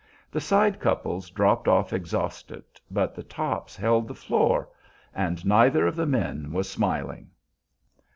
The side couples dropped off exhausted, but the tops held the floor, and neither of the men was smiling.